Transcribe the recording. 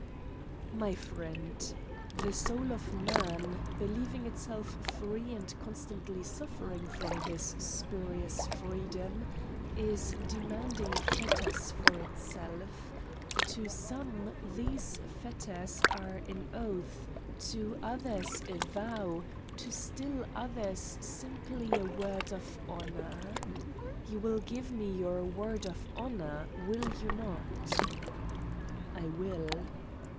"My friend, the soul of man, believing itself free and constantly suffering from this spurious freedom, is demanding fetters for itself to some these fetters are an oath, to others a vow, to still others simply a word of honour. You will give me your word of honour, will you not?" "I will."